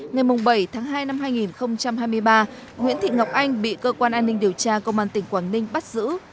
ngày bảy tháng hai năm hai nghìn hai mươi ba nguyễn thị ngọc anh bị cơ quan an ninh điều tra công an tỉnh quảng ninh bắt giữ